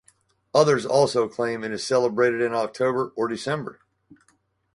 Others also claim it is celebrated in October or December.